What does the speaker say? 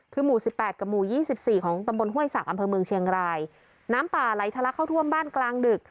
คือหมู่สิบแปดกับหมู่ยี่สิบสี่ของตำบลห้วยศักดิ์อำเภอเมืองเชียงรายน้ำป่าไหลทะลักเข้าท่วมบ้านกลางดึก